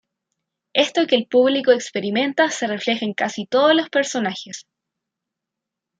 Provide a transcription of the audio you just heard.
Esto que el público experimenta se refleja en casi todos los personajes.